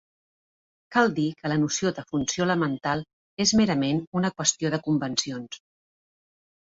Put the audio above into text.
Cal dir que la noció de funció elemental és merament una qüestió de convencions.